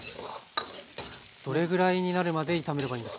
どれぐらいになるまで炒めればいいんですか？